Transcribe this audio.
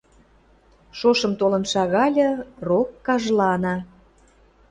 Шошым толын шагальы, рок кажлана.